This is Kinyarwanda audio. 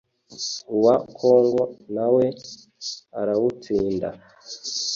uwa Congo nawe arawutsinda